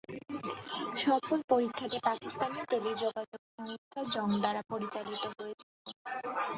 সফল পরীক্ষাটি পাকিস্তানি টেলিযোগাযোগ সংস্থা জং দ্বারা পরিচালিত হয়েছিল।